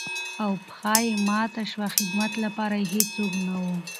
او پښه يې ماته شوه ،خدمت لپاره يې هېڅوک نه وو.